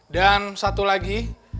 dan satu lagi